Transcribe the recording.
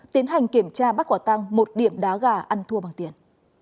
tiến hành kiểm tra bắt quả tăng một điểm đá gà ăn thua bằng tiền